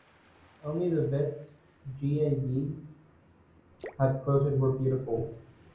Only the bits (Jia) Yi had quoted were beautiful.